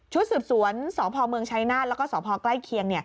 ชุดสุดสวนสองพอเมืองชัยนาธิ์แล้วก็สองพอใกล้เคียง